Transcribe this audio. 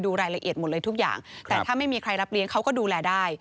รายละเอียดหมดเลยทุกอย่างแต่ถ้าไม่มีใครรับเลี้ยงเขาก็ดูแลได้